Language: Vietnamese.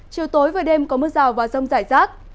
chiều tối và đêm có mưa rào và rông rải rác